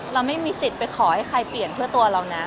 เราไม่มีสิทธิ์ไปขอให้ใครเปลี่ยนเพื่อตัวเรานะ